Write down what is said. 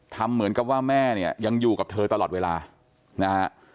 ทำเหมือนกับว่าแม่เนี่ยยังอยู่กับเธอตลอดเวลานะฮะ